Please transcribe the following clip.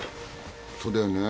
そうだよね。